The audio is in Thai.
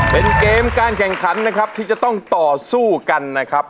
เป็นเกมการแข่งขันนะครับที่จะต้องต่อสู้กันนะครับ